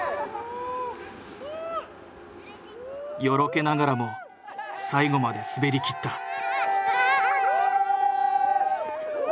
よろけながらも最後まで滑りきった。